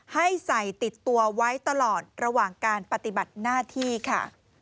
ให้ใส่ติดตัวไว้ตลอดระหว่างการปฏิบัติหน้าที่ค่ะ